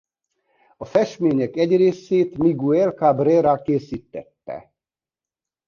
A festmények egy részét Miguel Cabrera készítette.